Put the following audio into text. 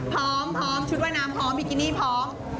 พร้อมพร้อมชุดว่ายน้ำพร้อมบิกินี่พร้อม